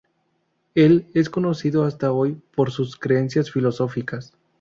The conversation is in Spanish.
Él es conocido hasta hoy por sus creencias filosóficas.